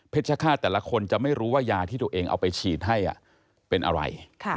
ชคาแต่ละคนจะไม่รู้ว่ายาที่ตัวเองเอาไปฉีดให้เป็นอะไร